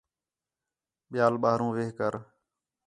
ٻِیال ٻاہروں وِہ کر